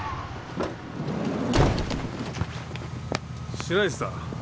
白石さん。